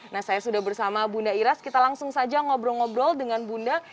nah saya sudah bersama bunda iras kita langsung saja ngobrol ngobrol dengan bunda